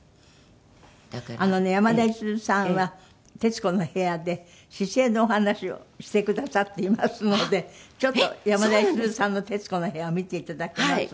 あのね山田五十鈴さんは『徹子の部屋』で姿勢のお話をしてくださっていますのでちょっと山田五十鈴さんの『徹子の部屋』を見ていただけます？